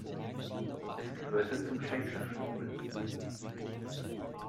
Es gehörte zum Schenker Stuhl.